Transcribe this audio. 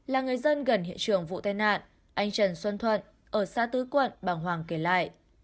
là người dân gần hiện trường vụ tai nạn anh trần xuân thuận ở xã tứ quận bàng hoàng kể lại